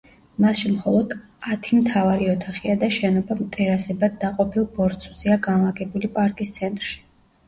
მასში მხოლოდ ათი მთავარი ოთახია და შენობა ტერასებად დაყოფილ ბორცვზეა განლაგებული პარკის ცენტრში.